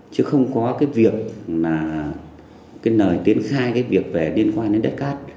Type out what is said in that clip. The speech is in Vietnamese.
chứ không có cái việc mà cái lời tiến khai cái việc về liên quan đến đất cát